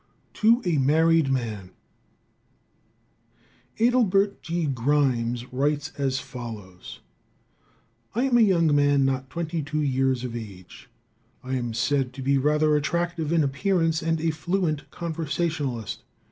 To a Married Man. Adelbert G. Grimes writes as follows: "I am a young man not yet twenty two years of age. I am said to be rather attractive in appearance and a fluent conversationalist.